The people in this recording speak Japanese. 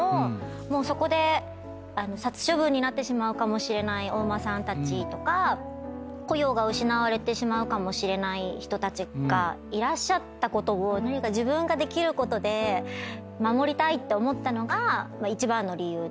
もうそこで殺処分になってしまうかもしれないお馬さんたちとか雇用が失われてしまうかもしれない人たちがいらっしゃったことを何か自分ができることで守りたいって思ったのが一番の理由で。